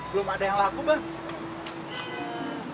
belum ada yang lagu bang